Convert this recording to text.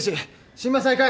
心マ再開！